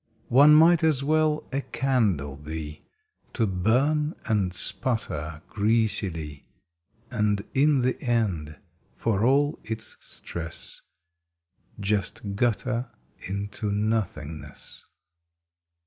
One might as well a candle be To burn and sputter greasily And in the end, for all its stress, Just gutter into Nothingness.